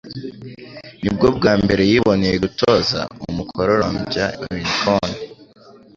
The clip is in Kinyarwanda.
Nibwo bwa mbere yiboneye gutoza umukororombya unicorn.